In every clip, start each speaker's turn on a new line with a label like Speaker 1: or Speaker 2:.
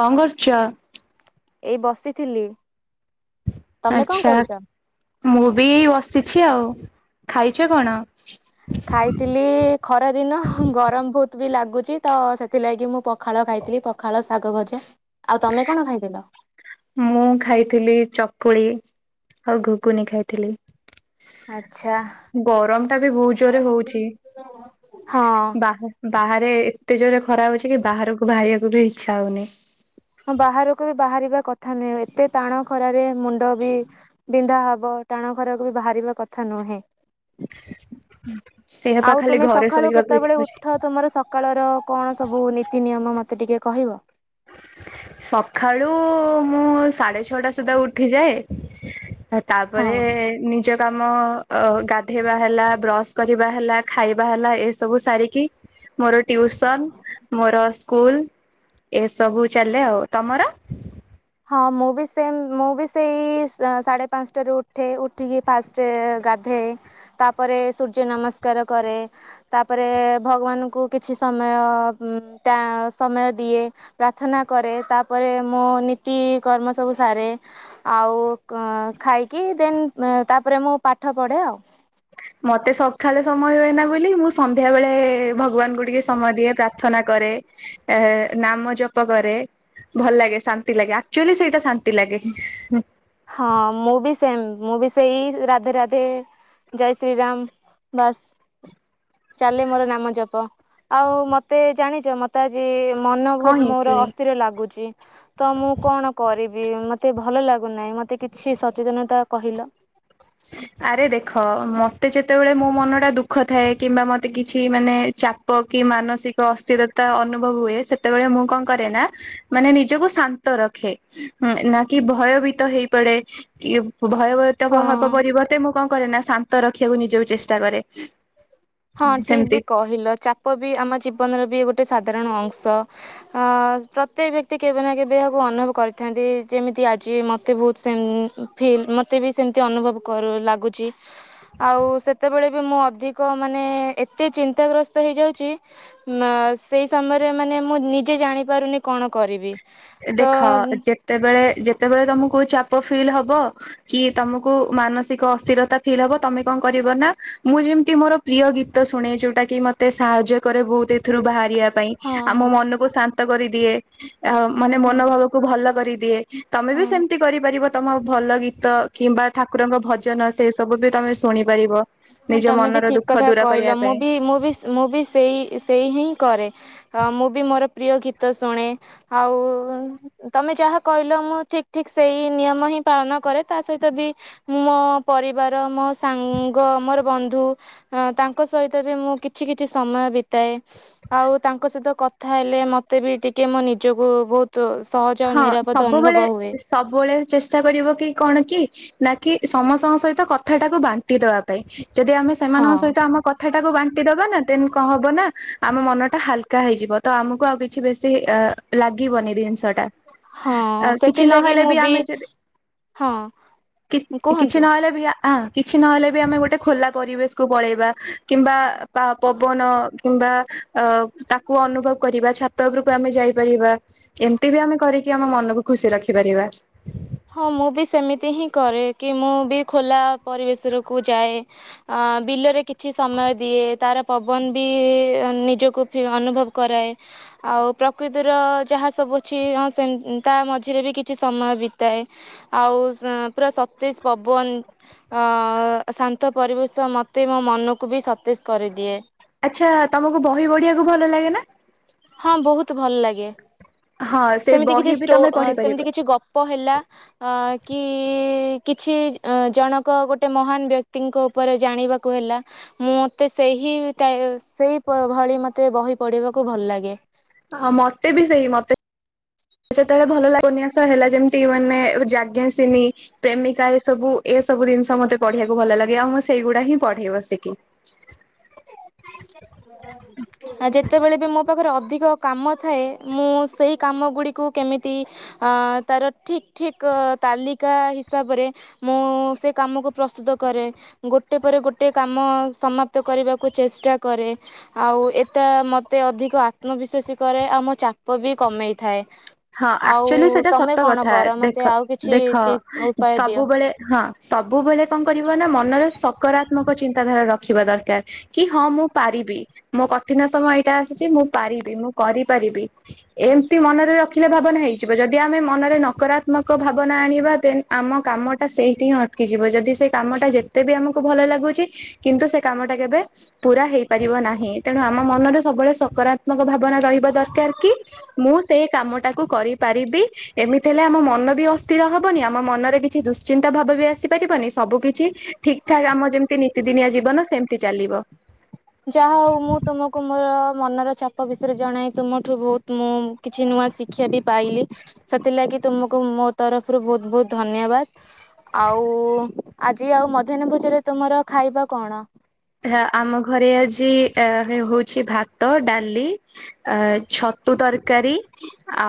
Speaker 1: କଣ କରୁଛ?
Speaker 2: ଏଇ ବସିଥିଲି। ତମେ କଣ
Speaker 1: ଆଛା
Speaker 2: କରୁଛ?
Speaker 1: ମୁଁ ବି ବସି ଅଛି ଆଉ। ଖାଇଛ କଣ?
Speaker 2: ଖାଇଥିଲି ଖରା ଦିନ ଗରମ ବହୁତ ବି ଲାଗୁଛି ତ ସେଥିଲାଗି ମୁଁ ପ ପଖାଳ ଖାଇଥିଲି ପଖାଳ ଶାଗ ଭଜା ଆଉ ତମେ କଣ ଖାଇଥିଲ?
Speaker 1: ମୁଁ ଖାଇଥିଲି ଚକୁଳି, ଆଉ ଘୁଗୁନି ଖାଇଥିଲି।
Speaker 2: ଆଚ୍ଛା।
Speaker 1: ଗରମ ଟା ବି ବହୁତ ଜୋରେ ହଉଛି ବା ବାହାରେ ରେ ଏତେ ଜୋରେ ଖରା ହଉଛି କି ବାହାରକୁ ବାହାରିବାକୁ ବି ଇଛା ହଉନି।
Speaker 2: ମୁଁ ବାହାରକୁ ବି ବାହାରିବା କଥା ନୁହେଁ ଏତେ ଟାଣ ଖରାରେ ମୁଣ୍ଡ ବି ବିନ୍ଧା ହବ ଟାଣ ଖରାକୁ ବି ବାହାରିବା କଥା ନୁହେଁ।
Speaker 1: ହୁଁ।
Speaker 2: ଆଉ ତୁମେ ସଖାଳୁ କେତେବେଳେ
Speaker 1: ହଉଛି।
Speaker 2: ଉଠ ତୁମର ସକାଳର କଣ ସବୁ ନୀତି ନିୟମ ମତ ତେ ଟିକେ କହିବ?
Speaker 1: ସଖାଳୁ ମୁଁ ସାଢେ ଛଅଟା ସୁଦ୍ଧା ଉଠିଯାଏ
Speaker 2: ହଁ
Speaker 1: ତାପରେ ନିଜ କାମ ଅ ଗାଧେଇବା ହେଲା ବ୍ରସ୍ କରିବା ହେଲା ଖାଇବା ହେଲା ଏସବୁ ସାରିକି ମୋର ଟ୍ୟୁସନ୍ ମୋର ସ୍କୁଲ ଏସବୁ ଚାଲେ ଆଉ, ତମର?
Speaker 2: ହଁ ମୁଁ ବି ସେମ୍ ମୁଁ ବି ସେଇ ସା ସାଢ଼େ ପାଞ୍ଚଟାରୁ ଉଠେ ଉଠିକି ଫାଷ୍ଟ ଗାଧାଏ ତା ପରେ ସୂର୍ଯ୍ୟ ନମସ୍କାର କରେ ତାପରେ ଭଗବାନଙ୍କୁ କିଛି ସମୟ ଉଁ ତା ସମୟ ଦିଏ ପ୍ରାର୍ଥନା କରେ ତାପରେ ମୁଁ ନି ତି କର୍ମ ସବୁ ସାରେ ଆଉ କ ଖାଇକି ଦେନ୍ ତାପରେ ମୁଁ ପାଠ ପଢେ ଆଉ।
Speaker 1: ମତେ ସଖାଳେ ସମୟ ହୁଏନା ବୋଲିକି ମୁଁ ସନ୍ଧ୍ୟାବେଳେ ଭଗବାନଙ୍କୁୁ ଟିକେ ସମୟ ଦିଏ ପ୍ରାର୍ଥନା କରେ ଏ ନାମ ଜପ କରେ ଭଲ ଲାଗେ ଶାନ୍ତି ଲାଗେ ଆକଚୁଆଲି ସେଇଟା ଶାନ୍ତି ଲାଗେ।
Speaker 2: ହଁ ମୁଁ ବି ସେମ୍ ମୁଁ ବି ସେଇ ରାଧେ ରାଧେ ଜୟ ଶ୍ରୀ ରାମ ବାସ୍ ଚାଲେ ମୋର ନାମ ଜପ ଆଉ ମତେ ଜାଣି ତ ମତେ ଆଜି ମନ
Speaker 1: କଣ
Speaker 2: ବହୁତ ମୋର
Speaker 1: ହେଇଛି?
Speaker 2: ଅସ୍ଥିର ଲାଗୁଛି। ତ ମୁଁ କଣ କରିବ ବି ମତେ ଭଲ ଲାଗ ଗୁ ନାଇଁ, ମତେ କିଛି ସଚେତନତା କହିଲ?
Speaker 1: ଆରେ ଦେଖ ମତେ ଯେତେବେଳେ ମୋ ମନ ଟା ଦୁଃଖ ଥାଏ କିମ୍ବା ମତେ କିଛି ମାନେ ଚାପ କି ମାନସିକ ଅସ୍ଥିରତା ଅନୁଭବ ହୁଏ ସେତେବେଳେ ମୁଁ କଣ କରେ ନା ମାନେ ନିଜକୁ ଶାନ୍ତ ରଖେ ନା କି ଭୟଭୀତ ହେଇପଡେ କି ଭୟବହତା
Speaker 2: ହଁ
Speaker 1: ବହଃ ପରିବର୍ତ୍ତେ ମୁଁ କ କରେ ନା ଶାନ୍ତ ରଖିଆକୁ ନିଜକୁ ଚେଷ୍ଟା କରେ।
Speaker 2: ହଁ ଠିକ
Speaker 1: ସେମିତି
Speaker 2: ବି କହିଲ ଚାପ ବି ଆମ ଜୀବନର ବି ଗୋଟେ ସା ଧାରଣ ଅଂଶ ଅ ପ୍ରତ୍ୟେକ ବ୍ୟକ୍ତି କେବେ ନା କେବେ ଏହାକୁ ଅନୁଭବ କରିଥାନ୍ତି ଯେମିତି ଆଜି ମୋତେ ବହୁତ ସେମ ଫିଲ୍ ମୋତେ ବି ସେମିତି ଅନୁଭବ କରୁ ଲାଗୁଛି ଆଉ ସେତେବେଳେ ବି ମୁଁ ଅଧିକ ମାନେ ଏତେ ଚିନ୍ତାଗ୍ରସ୍ତ ହେଇଯାଉଛି ଉଁ ଅ ସେଇ ସମୟରେ ମାନେ ମୁଁ ନିଜେ ଜାଣିପାରୁନି କଣ କରିବି ତ
Speaker 1: ଦେଖ ଯେତେବେଳେ ଯେ ସେତବେଳେ ତମକୁ ଚାପ ଫିଲ୍ ହବ କି ତମକୁ ମାନସିକ ଅସ୍ଥିରତା ଫିଲ୍ ହବ ତମେ କଣ କରିବ ନା ମୁଁ ଯେମିତି ମୋର ପ୍ରିୟ ଗୀତ ଶୁଣେ ଯୋଉଟା କି ମତେ ସାହାଯ୍ୟ କରେ ବହୁତ ଏଥିରୁ ବାହାରିବା ପାଇଁ
Speaker 2: ହଁ
Speaker 1: ମୋ
Speaker 2: ହଁ
Speaker 1: ମନକୁ ଶାନ୍ତି ନ୍ତ କରିଦିଏ ଆ ମାନେ
Speaker 2: ହଁ
Speaker 1: ମନୋଭାବକୁ ଭଲ କରି ଦିଏ ତମେ ବି
Speaker 2: ହଁ
Speaker 1: ସେମିତି କରିପାରିବ। ତମ ଭଲ ଗୀତ କିମ୍ବା ଠାକୁରଙ୍କ ଭଜନ ସେ ସବୁ ବି ତମେ ଶୁଣି
Speaker 2: ହଁ ତମେ ବି ଠିକ କଥା
Speaker 1: କରିବା
Speaker 2: କହିଲ
Speaker 1: ପାଇଁ।
Speaker 2: ମୁଁ ବି ମୁଁ ବି ମୁଁ ବି ସେଇ ସେଇ ହିଁ କରେ। ମୁଁ ବି ମୋର ପ୍ରିୟ ଗୀତ ଶୁଣେ ଆଉ ତମେ ଯାହା କହିଲ ମୁଁ ଠିକ ଠିକ ସେଇ ନିୟମ ହିଁ ପାଳନ କରେ ତା ସହିତ ବି ମୁଁ ମୋ ପରିବାର ମୋ ସାଙ୍ଗ ସାଙ୍ଗ ମୋର ବନ୍ଧୁ ତାଙ୍କ ସହିତ ବି ମୁଁ କିଛି କିଛି ସମୟ ବିତାଏ ଆଉ ତାଙ୍କ ସହିତ କଥା ହେଲେ ମୋତେ ବି ଟିକେ ମୋ ନିଜକୁ ବହୁତ ସହଜ ଆଉ
Speaker 1: ହଁ
Speaker 2: ନିରାପଦ ଅନୁଭବ
Speaker 1: ସବୁବେଳେ
Speaker 2: ହୁଏ।
Speaker 1: ସବୁବେଳେ ଚେଷ୍ଟା କରିବ କି କଣ କି ନାକି ସମସ୍ତଙ୍କ ସହିତ କଥା ଟାକୁ ବାଣ୍ଟି ଦବା ପାଇଁ ଯଦି ଆମେ
Speaker 2: ହଁ
Speaker 1: ସେମାନଙ୍କ ସହିତ ଆମ କଥାଟାକୁ ବାଣ୍ଟି ଦବା ନା ଦେନ୍ କଣ ହବ ନା ଆମ ମନ ଟା ହାଲକା ହେଇଯିବ ତ ଆମକୁ ଆଉ କିଛି ବେଶି ଅ ଲାଗିବନି ଜିନିଷ ଟା।
Speaker 2: ହଁ
Speaker 1: ଆ କିଛି
Speaker 2: ସେଥିଲାଗି
Speaker 1: ନହେଲେ
Speaker 2: ମୁଁ
Speaker 1: ବି ଆମେ ଯଦି
Speaker 2: ହଁ
Speaker 1: କି କିଛି
Speaker 2: କୁହନ୍ତୁ।
Speaker 1: ନହେଲେ ବି ହଁ କିଛି ନହେଲେ ବି ଆମେ ଗୋଟେ ଖୋଲା ପରିବେଶକୁୁ ପଳେଇବା। କିମ୍ବା ପା ପବନ କିମ୍ବା ଅ ତାକୁ ଅନୁଭବ କରିବା ଛାତ ଉପରକୁ ଆମେ ଯାଇପାରିବା ଏମିତି ବି ଆମେ କରିକି ଆମ ମନକୁ ଖୁସି ରଖିପାରିବା।
Speaker 2: ହଁ ମୁଁ ବି ସେମିତି ହିଁ କରେ କି ମୁଁ ବି ଖୋଲା ପରିବେଶରକୁ ଯାଏ ବିଲରେ କି କିଛି ସମୟ ଦିଏ ତାର ପବନ ବି ନିଜକୁ ଅନୁଭବ କରାଏ ଆଉ ପ୍ରକୃତିର ଯାହା ସବୁ ଅଛି ହଁ ସେ ତା ମଝିରେ ବି କିଛି ସମୟ ବି ଥାଏ ଆଉ ପୁରା ସତେଜ ପବନ ଶାନ୍ତ ପରିବେଶ ମୋତେ ମୋ ମନକୁ ବି ସତେଜ କରିଦିଏ।
Speaker 1: ଆଚ୍ଛା ତମକୁ ବହି ବଢିବାକୁ ଭଲ ଲାଗେ ନା?
Speaker 2: ହଁ ବହୁତ ଭଲ ଲାଗେ।
Speaker 1: ହଁ ସେ
Speaker 2: ସେମିତି କିଛି
Speaker 1: ବହି ବି
Speaker 2: ଷ୍ଟ
Speaker 1: ତମେ ପଢି ପାରିବ।
Speaker 2: ସେମିତି କିଛି ଗପ ହେଲା ଅ କି କିଛି ଜଣକ ଗୋଟେ ମହାନ ବ୍ୟକ୍ତିଙ୍କ ଉପରେ ଜାଣିବାକୁ ହେଲା ମୁଁ ମୋତେ ସେହି ଟ ସେହି ଭଳି ମୋତେ ବହି ପଢ଼ିବାକୁ ଭଲ ଲାଗେ। [inaudible]
Speaker 1: ହଁ ମତେ ବି ସେଇ ମତେ ଯେତେବେଳେ ଭଲ ଲ ଉପନ୍ୟାସ ହେଲା ଯେମିତି ମାନେ ଯାଜ୍ଞସେନୀ ପ୍ରେମିକା ଏସବୁ ଏସବୁ ଜିନିଷ ମତେ ପଢିବାକୁ ଭଲ ଲାଗେ ଆଉ ମୁଁ ସେଇଗୁଡା ହିଁ ପଢେଇ ବସିକି।
Speaker 2: ଆଉ ଯେତେବେଳେ ବି ମୋ ପାଖରେ ଅ ଅଧିକ କାମ ଥାଏ ମୁଁ ସେହି କାମ ଗୁଡ଼ିକୁ କେମିତି ତାର ଠିକ୍ ଠିକ ତାଲିକା ହିସାବରେ ମୁଁ ସେ କାମକୁ ପ୍ରସ୍ତୁତ କରେ ଗୋଟିଏ ପରେ ଗୋଟିଏ କାମ ସମାପ୍ତ କରିବାକୁ ଚେଷ୍ଟା କରେ ଆଉ ଏଟା ମୋତେ ଅଧିକ ଆତ୍ମବିଶ୍ୱାସୀ କରେ ଆଉ ମୋ ଚାପ ବି କମେଇଥାଏ।
Speaker 1: ହଁ
Speaker 2: ଆଉ
Speaker 1: ଆକ୍ଚୁଆଲି ସେଇଟା
Speaker 2: ତମେ
Speaker 1: ସତ
Speaker 2: କ'ଣ
Speaker 1: କଥା
Speaker 2: କର ମୋତେ
Speaker 1: ଦେଖ
Speaker 2: ଆଉ କିଛି
Speaker 1: ଦେଖ
Speaker 2: ଟିପ୍ ଉପାୟ ଦିଅ
Speaker 1: ସବୁବେଳେ ହଁ ସବୁବେଳେ କଣ କରିବ ନା ମ ମନର ସକାରାତ୍ମକ ଚିନ୍ତାଧାରା ରଖିବା ଦରକାର କି ହଁ ମୁଁ ପାରିବି ମୋ କଠିନ ସମୟ ଏଇଟା ଆସିଛି ମୁଁ ପାରିବି ମୁଁ କରିପାରିବି ଏମତି ମନରେ ର ରଖିଲେ ଭାବନା ହେଇଯିବ ଯଦି ଆମେ ମନରେ ନକାତ୍ମକ ଭାବନା ଆଣିବା ଦେନ୍ ଆମ କାମ ଟା ସେଇଠି ହିଁ ଅଟକିଯିବ ଯଦି ସେ କାମଟା ଯେତେ ବି ଆମକୁ ଭଲ ଲାଗୁଛି କିନ୍ତୁ ସେ କାମଟା କେବେ ପୁରା ହେଇପାରିବ ନାହିଁ ତେଣୁ ଆମ ମନରେ ସବୁବେଳେ ସକାରାତ୍ମକ ଭାବ ଭାବାନା ରହିବା ଦରକାର କି ମୁଁ ସେଇ କାମ ତାକୁ କରିପାରିବି ଏମିତି ହେଲେ ଆମ ମନ ବି ଅସ୍ଥିର ହବନି ଆମ ମନରେ କିଛି ଦୁଶ୍ଚିନ୍ତା ଭାବ ବି ଆସିପାରିବନି ସବୁ କିିଛି ଠିକ ଠାକ୍ ଆମ ଯେମିତି ନିତିଦିନିଆ ଜୀବନ ସେମିତି ଚାଲିବ।
Speaker 2: ଯାହା ହଉ ମୁଁ ତୁମକୁ ମୋର ମନର ଚାପ ବିଷୟରେ ଜଣାଇ ତୁମଠୁ ବହୁତ ମୁଁ କିଛି ନୂଆ ଶିକ୍ଷା ବି ପାଇଲି ସେଥିଲାଗି ତୁମକୁ ମୋ ତରଫରୁ ବହୁତ ବହୁତ ଧନ୍ୟବାଦ ଆଉ ଆଜି ଆଉ ମଧ୍ୟାହ୍ନ ଭୋଜ ରେ ତୁମର ଖାଇବା କଣ?
Speaker 1: ହ ଆମ ଘରେ ଆଜି ହଉଛି ଭାତ, ଡାଲି ଆ ଛତୁ ତରକାରୀ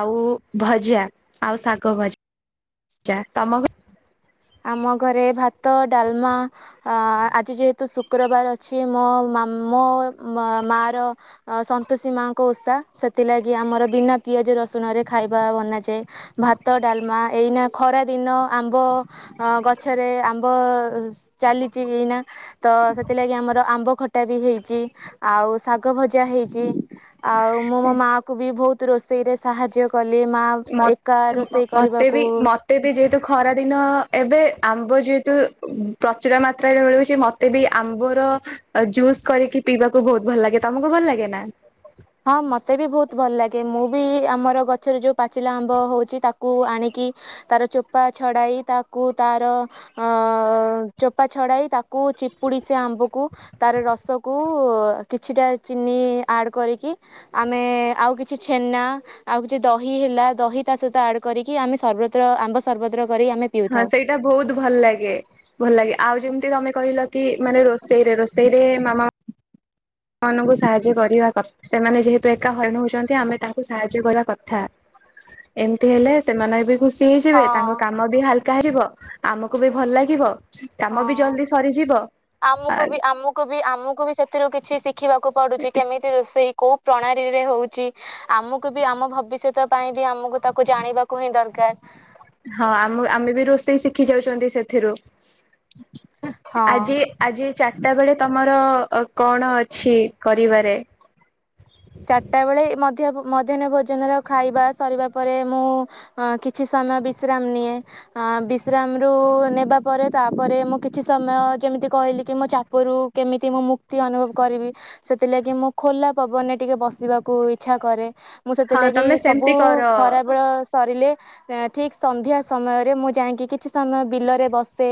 Speaker 1: ଆଉ ଭଜା, ଆଉ ଶାଗ ଭଜା, ଭ ତମ ଘ
Speaker 2: ଆମ ଘରେ ଭାତ, ଡାଲମା ଆଜି ଯେହେତୁ ଶୁକ୍ରବାର ଅଛି ମୋ ମୋ ମାର ସନ୍ତୋଷୀ ମାଙ୍କ ଓଷା ସେଥିଲାଗି ଆମର ବିନା ପିଆଜ ରସୁଣରେ ଖାଇବା ବନାଯାଏ ଭାତ, ଡାଲମା ଏଇନା ଖରା ଦିନ ଆମ୍ବ ଅ ଗଛରେ ଆମ୍ବ ଚାଲିଛି ଏଇନା ତ ସେଥିଲାଗି ଆମର ଆମ୍ବ ଖଟ ଟା ବି ହେଇଛି ଆଉ ଶାଗ ଭଜା ହେଇଛି। ଆଉ ମୁଁ
Speaker 1: ଏ
Speaker 2: ମୋ ମା କୁ ବି ବହୁତ ରୋଷେଇରେ ସାହାଯ୍ୟ କଲି ମା ଏକା ରୋଷେଇ
Speaker 1: ମତେ ବି
Speaker 2: କରିବାକୁ
Speaker 1: ମତେ ବି ଯେହେତୁ ଖରା ଦିନ ଏବେ ଆମ୍ବ ଯେହେତୁ ପ୍ରଚୁର ମାତ୍ରାରେ ମିଳୁଛି ମତେ ବି ଆମ୍ବ ର ଜୁସ୍ କରିକି ପିଇବାକୁ ବହୁତ ଭଲ ଲାଗେ ତମକୁ ଭଲ ଲାଗେ ନା।
Speaker 2: ହଁ ମତେ ବି ବହୁତ ଭଲ ଲାଗେ ମୁଁ ବି ଆମର ଗଛରେ ଯୋଉ ପାଚିଲା ଆମ୍ବ ହଉଛି ତାକୁ ଆଣିକି ତାର ଚୋପା ଛଡ଼ାଇ ତାକୁ ତାର ଚୋପା ଛଡ଼ାଇ ତାକୁ ଚିପୁଡ଼ି ସେ ଆମ୍ବକୁ ତାର ରସକୁ କିଛିଟା ଚିନି ଆଡ଼ କରିକି କି ଆମେ ଆଉ କିଛି ଛେନା ଆଉ କିଛି ଦହି ହେଲା ଦହି ତା ସହିତ ଆଡ଼ କରିକି ଆମେ ସର୍ବତ୍ର ଆମ୍ବ ସର୍ବତ୍ର କରି ଆମେ
Speaker 1: ହଁ
Speaker 2: ପିଉଥାଉ।
Speaker 1: ସେଇଟା ବହୁତ ଭଲ ଲାଗେ ଭଲ ଲାଗେ ଆଉ ଯେମିତି ତମେ କହିଲ କି ମାନେ ରୋଷେଇରେ ରୋଷେଇ ଏ ମାମା ନକୁ ସାହାଯ୍ୟ କରିବା କଥା ସେମାନେ ଯେହେତୁ ଏକା ହରିଣ ହଉଛନ୍ତି ଆମେ ତାଙ୍କୁ ସାହାଯ୍ୟ କରିବା କଥା। ଏମିତି ହେଲେ ସେମାନେ ବି ସି ହେଇଯିବେ
Speaker 2: ହଁ
Speaker 1: ତାଙ୍କ କାମ ବି ହାଲକା ହେଯିବ ଆମକୁ ବି ଭଲ ଲାଗିବ କାମ
Speaker 2: ହଁ
Speaker 1: ବି ଜଲଦି ସରିଯିବ।
Speaker 2: ଆମକୁ ବି ଆମକୁ ବି ଆମକୁ ବି ସେଥିରୁ କିଛି ଶି ଖିବାକୁ ପଡୁଛି କେମିତି ରୋଷେଇ କୋଉ ପ୍ରଣାଳୀ ରେ ହଉଛି ଆମକୁ ବି ଆମ ଭବିଷ୍ୟତ ପାଇଁ ବି ଆମକୁ ତାକୁ ଜାଣିବାକୁ ହିଁ ଦରକାର।
Speaker 1: ହଁ ଆମ ଆମେ ବି ରୋଷେଇ ଶିଖି ଯାଉଛନ୍ତି ସେଥିରୁ।
Speaker 2: ହଁ।
Speaker 1: ଆଜି ଆଜି ଚାରିଟା ବେଳେ ତମ କଣ ଅଛି କରିବାରେ?
Speaker 2: ଚାରିଟା ବେଳେ ମଧ୍ୟାହ୍ନ ଭୋଜନର ଖାଇବା ସରିବା ପରେ ମୁଁ କିଛି ସମୟ ବିଶ୍ରାମ ନିଏ ବିଶ୍ରାମରୁ ନେବା ପରେ ତାପରେ ମୁଁ କିଛି ସମୟ ଯେମିତି କହିଲି କି ମୋ ଚାପରୁ କେମିତି ମୁଁ ମୁକ୍ତି ଅନୁଭବ କରିବି ସେଥିଲାଗି ମୁଁ ଖୋଲା ପବନ ଟିକେ ବସିବାକୁ ଇଚ୍ଛା କରେ। ମୁଁ
Speaker 1: ହଁ
Speaker 2: ସେଥିଲାଗି
Speaker 1: ତମେ
Speaker 2: ସବୁ
Speaker 1: ସେମିତି କର
Speaker 2: ଖରାବେଳ ସରିଲେ ଠିକ ସନ୍ଧ୍ୟା ସମୟରେ ମୁଁ ଯାଇକି କିଛି ସମୟ ବିଲରେ ବସେ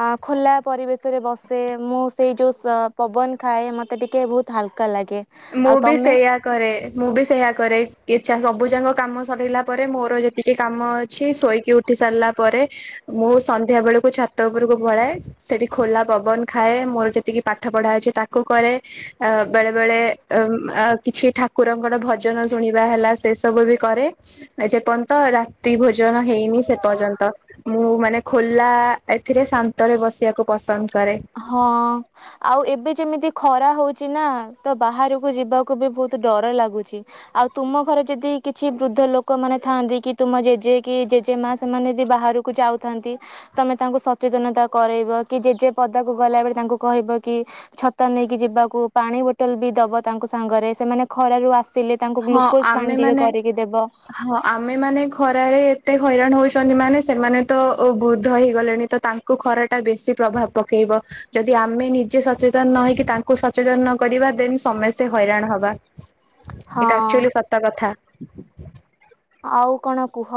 Speaker 2: ଅ ଖୋଲା ପରିବେଶରେ ବସେ ମୁଁ ସେଇ ଯୋଉ ପବନ ଖାଏ ମତେ ଟିକେ ବହୁତ ହାଲକା ଲାଗେ। ଆଉ
Speaker 1: ମୁଁ ବି ସେଇଆ କରେ ମୁଁ ବି ସେୟଆ କରେ ଇଚ୍ଛା ସବୁଜାଙ୍କ କାମ ସରିଲା ପରେ ମୋର ଯେତିକି କାମ ଅ ଅଛି ଶୋଇକି ଉଠି ସାରିଲା ପରେ ମୁଁ ସନ୍ଧ୍ୟା ବେଳକୁ ଛାତ ଉପରକୁ ପଳାଏ ସେଠି ଖୋଲା ପବନ ଖାଏ ମୋର ଯେତିକି ପାଠ ପଢା ଅଛି ତାକୁ କରେ ବେଳେ ବେଳେ ଅ କିଛି ଠାକୁରଙ୍କର ଭଜନ ଶୁଣିବା ହେଲା ସେ ସବୁ ବି କରେ ଯେପର୍ଯ୍ୟନ୍ତ ରାତି ଭୋଜନ ଜ ହେଇନି ସେ ପର୍ଯ୍ୟନ୍ତ ମୁଁ ମାନେ ଖୋଲା ଏଥିରେ ଶାନ୍ତରେ ବସିବାକୁ ପସନ୍ଦ କରେ
Speaker 2: ହଁ ଆଉ ଏବେ ଯେମିତି ଖରା ହଉଛି। ନା ତ ବାହାରକୁ ଯିବାକୁ ବି ବହୁତ ଡର ଲାଗୁଛି ଆଉ ତୁମ ଘରେ ଯଦି କିଛି ବୃଦ୍ଧ ଲୋକମାନୋନେ ଥାଆନ୍ତି କି ତୁମ ଜେଜେ କି ଜେଜେ ମା ସେମାନେ ଯଦି ବାହାରକୁ ଯାଉଥାନ୍ତି ତମେ ତାଙ୍କୁ ସଚେତନତା କରାଇବ କି ଜେଜେ ପଦାକୁ ଗଲା ବଳେ ତାଙ୍କୁ କହିବ କି ଛତା ନେଇକି ଯିବାକୁ ପାଣି ବୋଟଲ ବି ଦବ ତାଙ୍କ ସାଙ୍ଗରେ ସେମାନେ ଖରାରୁ ଆସ
Speaker 1: ହଁ ଆମେମାନେ ହଁ ଆମେମାନେ ଖରାରେ ଏତେ ହଇରାଣ ହଉଛନ୍ତି। ମାନେ ସେମାନେ ତ ବୃଦ୍ଧ ହେଇଗଲେଣି ତ ତାଙ୍କୁ ଖରା ଟା ବେଶୀ ପ୍ରଭାବ ପକେଇବ ଯଦି ଆମେ ନିଜେ ସଚେତନ ନ ହେଇକି ତାଙ୍କୁ ସଚେତନ ନ କରିବା ଦେନ ସମସ୍ତେ ହଇରାଣ ହବା।
Speaker 2: ହଁ
Speaker 1: ଏଇଟା ଆକ୍ଚୁଆଲି ସତ କଥା
Speaker 2: ଆଉ କଣ କୁହ?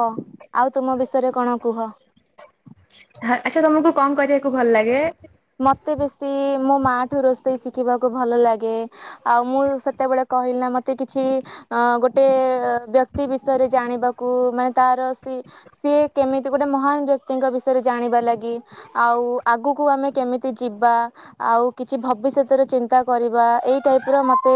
Speaker 2: ଆଉ ତୁମ ବିଷୟରେ କଣ କୁହ?
Speaker 1: ଆଚ୍ଛା ତମକୁ କଣ କରିବାକୁ ଭଲ ଲାଗେ।
Speaker 2: ମତେ ବେଶୀ ମୋ ମା ଠୁ ରୋଷେଇ ଶିଖିବାକୁ ଭଲ ଲାଗେ ଆଉ ମୁଁ ସେତେବେଳେ କହିଲି ନା ମତେ କିଛି ଗୋଟେ ବ୍ୟକ୍ତି ବିଷୟରେ ଜାଣିବାକୁ ମାନେ ତାର ସେ ସିଏ କେମିତି ଗୋଟେ ମହାନ ବ୍ୟକ୍ତିଙ୍କ ବିଷୟରେ ଜାଣିବା ଲାଗି। ଆଉ ଆଗକୁ ଆମେ କେମିତି ଯିବା ଆଉ କିଛି ଭବିଷ୍ୟତର ଚିନ୍ତା କରିବା ଏଇ ଟାଇପ ର ମୋତେ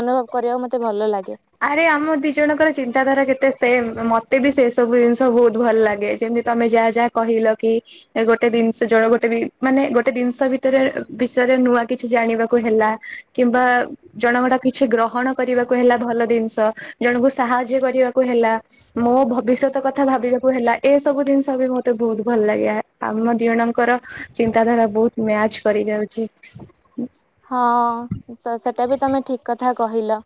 Speaker 2: ଅନୁଭବ କରିବାକୁ ମୋତେ ଭଲ ଲାଗେ।
Speaker 1: ଆରେ ଆମ ଦି ଜଣଙ୍କର ଚିନ୍ତାଧାରା କେତେ ସେମ୍ ମତେ ବି ସେ ସବୁ ଜିନିଷ ବହୁତ ଭଲ ଲାଗେ ଯେମିତି ତମେ ଯାହା ଯାହା କହିଲ କି ଗୋଟେ ଜିନିଷ ଜଣେ ଗୋଟେ ବି ମାନେ ଗୋଟେ ଜିନିଷ ଭିତରେ ବିଷୟରେ ନୂଆ କିଛି ଜାଣିବାକୁ ହେଲା କିମ୍ବା ଜଣଙ୍କଟା କିଛି ଗ୍ରହଣ କରିବାକୁ ହେଲା ଭଲ। ଜିନିଷ ଜଣଙ୍କୁ ସାହାଯ୍ୟ କରିବାକୁ ହେଲା, ମୋ ଭବିଷ୍ୟତ କଥା ଭାବିବାକୁ ହେଲା, ଏସବୁ ଜିନିଷ ବି ମତେ ବହୁତ ଭଲ ଲାଗେ ଆମ ଦି ଜଣଙ୍କର ଚିନ୍ତାଧାରା ବହୁତ ମ୍ୟାଚ କରି ଯାଉଛି।
Speaker 2: ହଁ ସେଟା ବି ତମେ ଠିକ କଥା କହିଲ।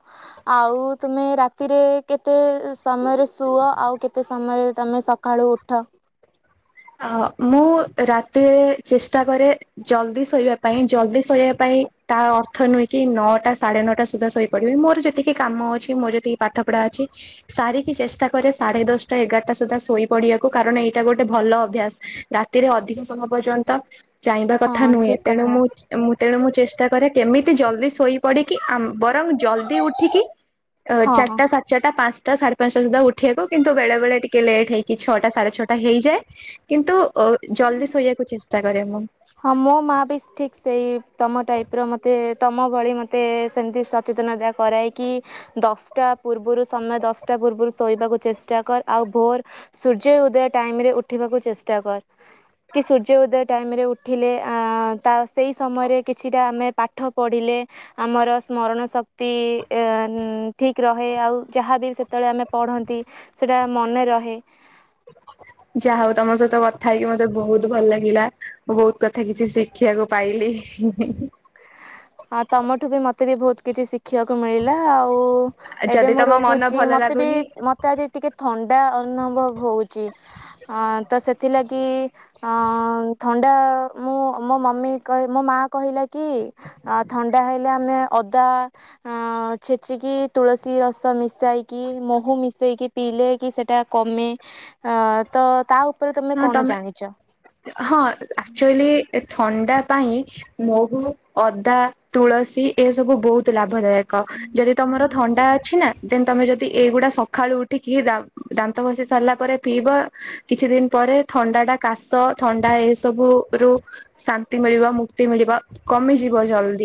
Speaker 2: ଆଉ ତୁମେ ରାତିରେ କେତେ ସମୟରେ ଶୁଅ, ଆଉ କେତେ ସମୟରେ ତମେ ସକାଳୁ ଉଠ?
Speaker 1: ମୁଁ ରାତିରେ ଚେଷ୍ଟା କରେ ଜଲଦି ଶୋଇବା ପାଇଁ ଜଲଦି ଶୋଇବା ପାଇଁ ତା ଅର୍ଥ ନୁହେଁ କି ନଅଟା ସାଢେ ନଅଟା ସୁଦ୍ଧା ଶୋଇପଡିବି ମୋର ଯେତିକି କାମ ଅଛି ମୋର ଯେତିକି ପାଠପଢା ଅଛି ସାରିକି ଚେଷ୍ଟା କରେ ସାଢେ ଦଶଟା ଏଗାରଟା ସୁଦ୍ଧା ଶୋଇପଡିବାକୁ। କାରଣ ଏଇଟା ଗୋଟେ ଭଲ ଅଭ୍ୟାସ ରାତିରେ ଅଧିକ ସମୟ ପର୍ଯ୍ୟନ୍ତ ଚାହିଁବା
Speaker 2: ହଁ
Speaker 1: କଥା ନୁହେଁ।
Speaker 2: ଠିକ
Speaker 1: ତେଣୁ
Speaker 2: କଥା
Speaker 1: ମୁ ତେଣୁ ମୁଁ ଚେଷ୍ଟା କରେ କେମିତି ଜଲଦି ଶୋଇ ପଡିକି ବରଂ ଜଲଦି ଉଠିକି
Speaker 2: ହଁ
Speaker 1: ଚାରିଟା ସାଢେ ଚାରିଟା ପାଞ୍ଚ ଟାଢେ [unintelligible] ପାଞ୍ଚଟା ସୁଧା ଉଠିବାକୁ କିନ୍ତୁ ବେଳେ ବେଳେ ଟିକେ ଲେଟ୍ ହେଇକି ଛଅଟା ସାଢେ ଛଅଟା ହେଇଯାଏ। କିନ୍ତୁ ଓ ଜଲଦି ଶୋଇବାକୁ କରେ ମୁଁ।
Speaker 2: ହଁ ମୋ ମା ବି ଠିକ ସେଇ ତମ ଟାଇପ ର ମତେ ତମ ଭଳି ମତେ ସେମତି ସଚେତନତା କରାଏ କି, ଦଶଟା ପୂର୍ବରୁ ସମୟ ଦଶଟା ପୂର୍ବରୁ ଶୋଇବାକୁ ଚେଷ୍ଟା କର ଆଉ ଭୋର ସୂର୍ଯ୍ୟ ଉଦୟ ଟାଇମ ରେ ଉଠିବାକୁ ଚେଷ୍ଟା କର କି ସୂର୍ଯ୍ୟ ଉଦୟ ଟାଇମ ରେ ଉଠିଲେ ସେଇ ସମୟରେ କିଛିଟା ଆମେ ପାଠ ପଢିଲେ ଆମର ସ୍ମରଣ ଶକ୍ତି ଠିକ ରହେ ଆଉ ଯାହାବି ସେତେବେଳେ ଆମେ ପଢନ୍ତି ସେଟା ମନେ ରହେ।
Speaker 1: ଯାହା ହଉ ତମ ସହିତ କଥା ହେଇକି ମତେ ବହୁତ ଭଲ ଲାଗିଲା ମୁଁ ବହୁତ କଥା କିଛି ଶିଖିବାକୁ ପାଇଲି।
Speaker 2: ଆଉ ତମଠୁ ବି ମତେ ବି ବହୁତ କିଛି ଶିଖି ଶିଖିବାକୁ ମିଳିଲା ଆଉ ଏବେ
Speaker 1: ଯଦି
Speaker 2: ମୁଁ
Speaker 1: ତମ ମନ
Speaker 2: ରହୁଛି
Speaker 1: ଭଲ
Speaker 2: ମୋତେ ବି
Speaker 1: ଲାଗୁନି
Speaker 2: ମତେ ଆଜି ଟିକେ ଥଣ୍ଡା ଅନୁଭବ ହଉଛି। ହଁ ତ ସେଥିଲାଗି ଅ ଥଣ୍ଡା ମୁଁ ମୋ ମମି ମୋ ମା କହିଲା କି? ଥଣ୍ଡା ହେଲେ ଆମେ ଅଦା ଛେଚିକି ତୁଳସୀ ରସ ମିଶାଇକି ମହୁ ମିଶାଇକି ପିଇଲେ କି ସେଇଟା କମେ ତ ଉପରେ
Speaker 1: ହଁ
Speaker 2: କଣ
Speaker 1: ତମେ
Speaker 2: ଜାଣିଛ?
Speaker 1: ହଁ ଆକ୍ଚୁଲି ଏ ଥଣ୍ଡା ପାଇଁ ମହୁ, ଅଦା, ତୁଳସୀ ଏସବୁ ବହୁତ ଲାଭଦାୟ କ ଯଦି ତମର ଥଣ୍ଡା ଅଛି ନା। ତମେ ଯଦି ଏଇଗୁଡା ସକାଳୁ ଉଠିକି ଦାନ୍ତ ଘଷି ସାରିଲା ପରେ ପିଇବ କିଛି ଦିନ ପରେ ଥଣ୍ଡା ଟା କାଶ ଥଣ୍ଡା ଏସବୁ ରୁ ଶାନ୍ତି ମିଳିବ ମୁକ୍ତି ମିଳିବ କମିଯିବ ଜଲ୍ଦି।